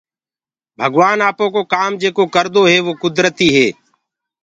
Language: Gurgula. ڀگوآن آپو ڪو ڪآم جيڪو ڪردو هي وو ڪُدرتيٚ هي۔